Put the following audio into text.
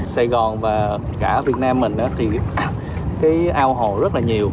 sài gòn và cả việt nam mình thì cái ao hồ rất là nhiều